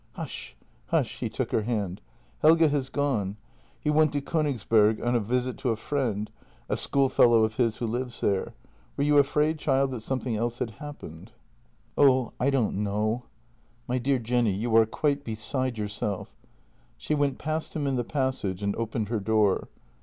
"Hush, hush! " He took her hand. "Helge has gone — he went to Kongsberg on a visit to a friend — a schoolfellow of his who lives there. Were you afraid, child, that something else had happened ?" 1 68 JENNY "Oh, I don't know." "My dear Jenny — you are quite beside yourself." She went past him in the passage and opened her door.